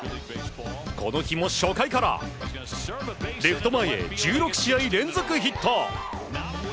この日も初回からレフト前へ１６試合連続ヒット！